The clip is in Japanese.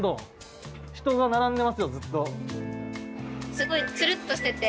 すごいツルッとしてて。